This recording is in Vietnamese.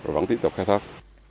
vẫn tiếp tục khai thác